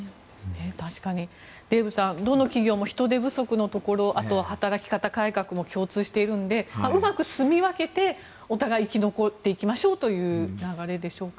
確かにデーブさんどの企業も人手不足のところあと働き方改革も共通しているんでうまく住み分けてお互い生き残っていきましょうという流れでしょうか。